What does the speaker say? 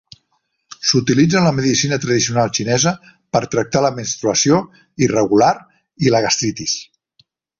S'utilitza en la medicina tradicional xinesa per tractar la menstruació irregular i la gastritis.